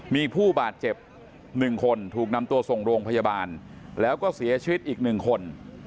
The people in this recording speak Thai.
มีผู้บาดเจ็บ๑คนถูกนำตัวส่งโรงพยาบาลแล้วก็เสียชีวิตอีก๑คน